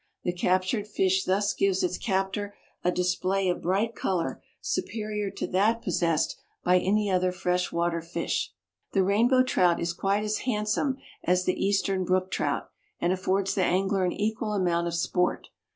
The captured fish thus gives its captor a display of bright color superior to that possessed by any other fresh water fish. The Rainbow Trout is quite as handsome as the Eastern Brook Trout and affords the angler an equal amount of sport.